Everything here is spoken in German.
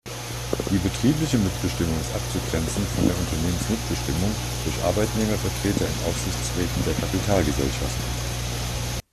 Die betriebliche Mitbestimmung ist abzugrenzen von der Unternehmensmitbestimmung durch Arbeitnehmervertreter in Aufsichtsräten der Kapitalgesellschaften.